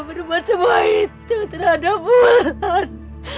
membuat semua itu terhadap ulan